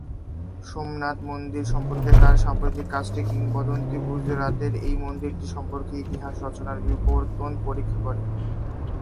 সোমনাথ মন্দির সম্পর্কে তাঁর সাম্প্রতিক কাজটি, কিংবদন্তি গুজরাতের এই মন্দিরটি সম্পর্কে ইতিহাস-রচনার বিবর্তন পরীক্ষা করে।